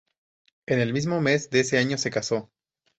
En el mismo mes de ese año se casó.